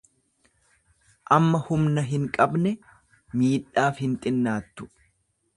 Amma humna hin qabne miidhaaf hin xinnaattu.